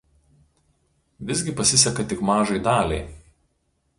Visgi pasiseka tik mažai daliai.